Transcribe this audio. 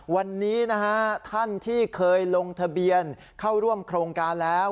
วันนี้นะฮะท่านที่เคยลงทะเบียนเข้าร่วมโครงการแล้ว